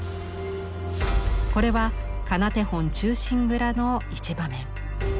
これは「仮名手本忠臣蔵」の一場面。